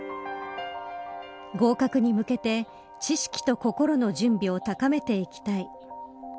合格に向けて、知識と心の準備を高めていきたい。